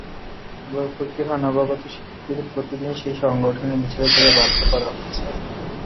এবার ভর্তি হওয়া নবাগত শিক্ষার্থীদের প্রতিদিন সেই সংগঠনের মিছিলে যেতে বাধ্য করা হচ্ছে।